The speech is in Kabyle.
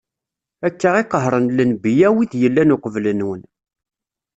Akka i qehren lenbiya, wid yellan uqbel-nwen.